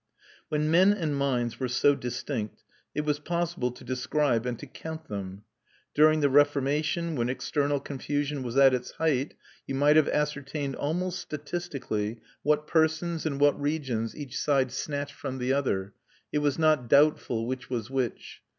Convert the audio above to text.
When men and minds were so distinct it was possible to describe and to count them. During the Reformation, when external confusion was at its height, you might have ascertained almost statistically what persons and what regions each side snatched from the other; it was not doubtful which was which.